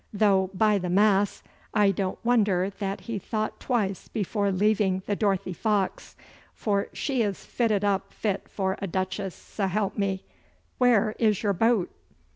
Though, by the Mass, I don't wonder that he thought twice before leaving the Dorothy Fox, for she is fitted up fit for a duchess, s'help me! Where is your boat?